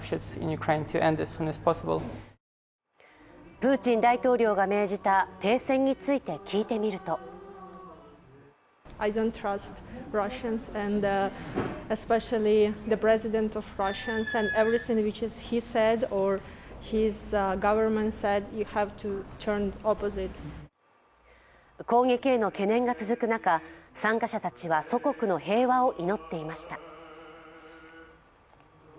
プーチン大統領が命じた停戦について聞いてみると攻撃への懸念が続く中、参加者たちは祖国の平和を祈っていました。